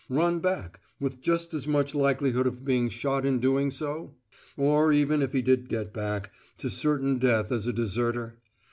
Run back, with just as much likelihood of being shot in doing so? Or, even if he did get back, to certain death as a deserter?